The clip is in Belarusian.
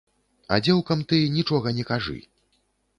А дзеўкам ты нічога не кажы.